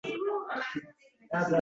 Yoki sazoyi qilib yuboraamn